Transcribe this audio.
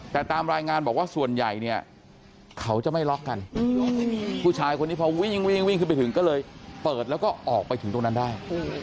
แต่ตามรายงานบอกว่าส่วนใหญ่เนี่ยเขาจะไม่ล็อกกันผู้ชายคนนี้พอวิ่งวิ่งขึ้นไปถึงก็เลยเปิดแล้วก็ออกไปถึงตรงนั้นได้